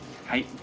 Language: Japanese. はい。